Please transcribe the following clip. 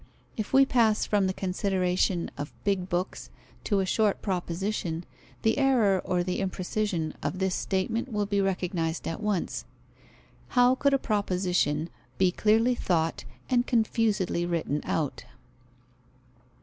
If we pass from the consideration of big books to a short proposition, the error or the imprecision of this statement will be recognized at once. How could a proposition be clearly thought and confusedly written out?